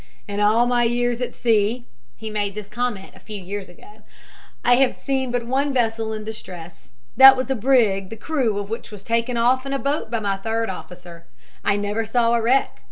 In all my years at sea (he made this comment a few years ago) I have seen but one vessel in distress. That was a brig the crew of which was taken off in a boat by my third officer. I never saw a wreck.